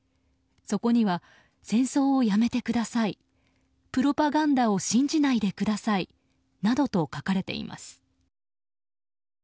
そこには「戦争をやめてください」「プロパガンダを信じないでください」などと書かれています。